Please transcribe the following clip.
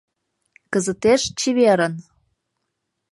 — Кызытеш чеверын!